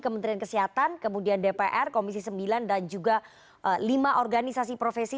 kementerian kesehatan kemudian dpr komisi sembilan dan juga lima organisasi profesi